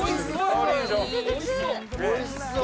おいしそう。